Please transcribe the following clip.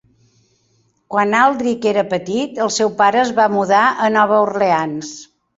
Quan Aldrich era petit, el seu pare es va mudar a Nova Orleans.